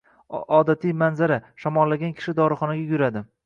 Odatiy manzara — shamollagan kishi dorixonaga yuguradi